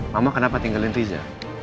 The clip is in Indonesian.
mama kenapa tinggalin riza